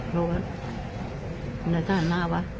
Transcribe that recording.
แล้วน่ะน่าจะหันหน้าว่ะ